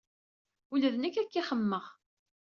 Ula d nekk akka ay xemmemeɣ.